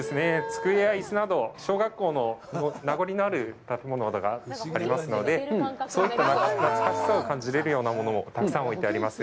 机や椅子など、小学校の名残がありますので、そういった懐かしさを感じれるものをたくさん置いてあります。